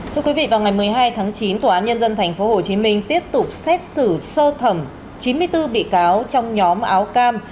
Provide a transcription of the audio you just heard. thưa quý vị vào ngày một mươi hai tháng chín tòa án nhân dân tp hcm tiếp tục xét xử sơ thẩm chín mươi bốn bị cáo trong nhóm áo cam